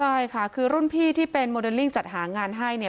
ใช่ค่ะคือรุ่นพี่ที่เป็นโมเดลลิ่งจัดหางานให้เนี่ย